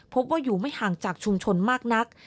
พบว่าอยู่ไม่ห่างจากชุมชนมากนัก